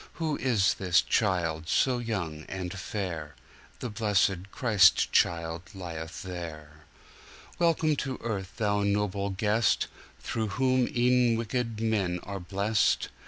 Who is this child so young and fair? The blessed Christ child lieth there. Welcome to earth, Thou noble guest, Through whom e'en wicked men are blest!